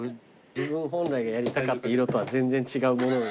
自分本来がやりたかった色とは全然違う物を。